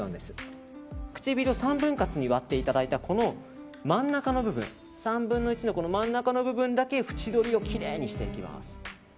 唇を３分割に割っていただいた真ん中の部分３分の１の真ん中の部分だけ縁取りをきれいにしていきます。